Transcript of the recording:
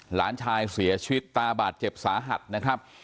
หลานชายเสียชีวิตตาบาดเจ็บสาหัสนะครับ